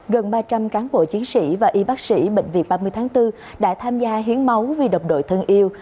gần ba trăm linh cán bộ chiến sĩ và y bác sĩ bệnh viện ba mươi tháng bốn đã tham gia hiến máu vì độc đội thân yêu